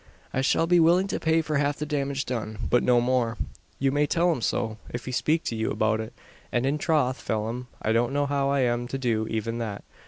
I shall be willing to pay for half the damage done; but no more. You may tell him so, if he speak to you about it. And, in troth, Phelim, I don't know how I am to do even that.